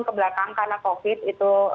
kebelakang karena covid itu